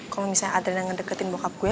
kalau misalnya adrena ngedeketin bokap gue